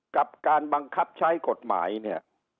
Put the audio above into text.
กับการบังคับใช้กฎหมายเนี่ย